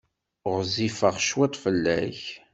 Ɣezzifeɣ cwiṭ fell-ak.